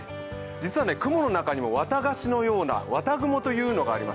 実は雲の中にも綿菓子のような綿雲というのがあります。